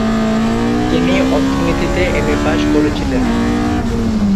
তিনি অর্থনীতিতে M A pass করেছিলেন।